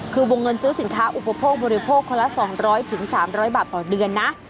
คือวงเงินซื้อสินค้าอุปโภคบริโภคคนละ๒๐๐๓๐๐บาทต่อเดือนนะ